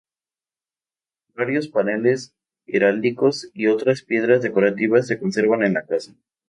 Varios paneles heráldicos y otras piedras decorativas se conservan en la casa.